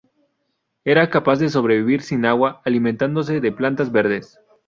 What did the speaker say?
Era capaz de sobrevivir sin agua alimentándose de plantas verdes.